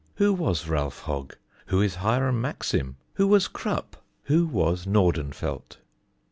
Who was Ralph Hogge? Who is Hiram Maxim? Who was Krupp? Who was Nordenfelt?